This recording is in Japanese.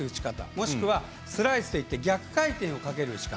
もしくはスライスといって逆回転をかける打ち方。